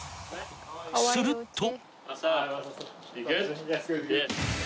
［すると］